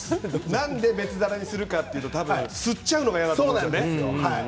なんで別皿にするかというと吸っちゃうのが嫌なんですよね。